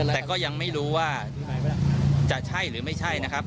แต่ก็ยังไม่รู้ว่าจะใช่หรือไม่ใช่นะครับ